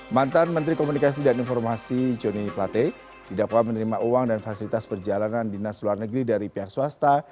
mantan menteri komunikasi dan informasi joni plate tidak pernah menerima uang dan fasilitas perjalanan dinas luar negeri dari pihak swasta